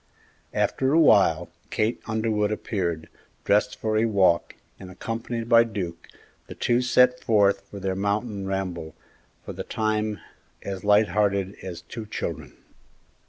After a while, Kate Underwood appeared, dressed for a walk, and, accompanied by Duke, the two set forth for their mountain ramble, for the time as light hearted as two children.